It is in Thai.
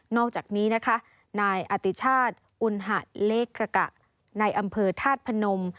อกจากนี้นะคะนายอติชาติอุณหะเลขกะกะในอำเภอธาตุพนม